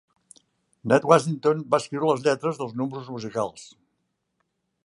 Ned Washington va escriure les lletres dels números musicals.